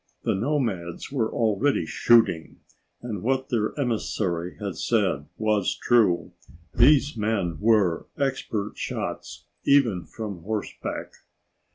The nomads were already shooting, and what their emissary had said was true: these men were expert shots, even from horseback.